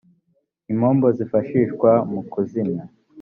impombo zifashishwa mu kuzimya